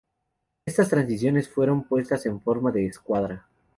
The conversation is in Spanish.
Estas transacciones fueron puestas en forma de escuadra.